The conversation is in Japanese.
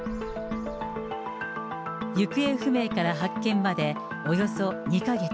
行方不明から発見までおよそ２か月。